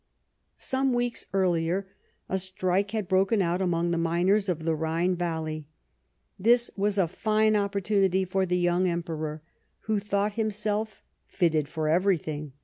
Some weeks earlier a strike had broken out among the miners of the Rhine Valley ; this was a fine opportunity for the young Emperor, The Inter who thought himself fitted for everything.